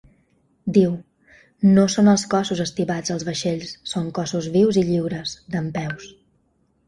Diu: No són els cossos estibats als vaixells, són cossos vius i lliures, dempeus.